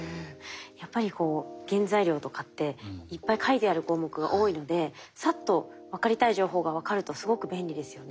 やっぱりこう原材料とかっていっぱい書いてある項目が多いのでさっと分かりたい情報が分かるとすごく便利ですよね。